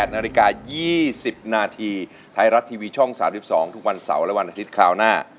นาฬิกา๒๐นาทีไทยรัฐทีวีช่อง๓๒ทุกวันเสาร์และวันอาทิตย์คราวหน้า